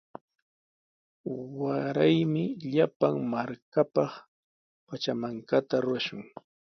Waraymi llapan markapaq pachamankata rurashun.